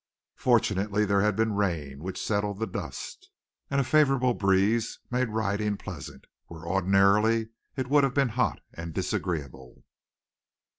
Fortunately there had been rain, which settled the dust; and a favorable breeze made riding pleasant, where ordinarily it would have been hot and disagreeable.